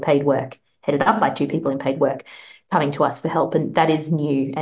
yang diperoleh oleh dua orang yang berpengalaman datang ke kita untuk bantuan